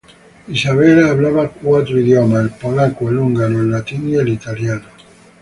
Isabela hablaba cuatro idiomas, el polaco, el húngaro, el latín y el italiano.